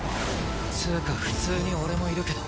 つうか普通に俺もいるけど。